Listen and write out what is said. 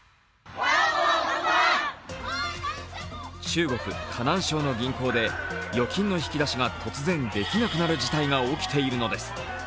中国・河南省の銀行で預金の引き出しが突然できなくなる事態が起きているのです。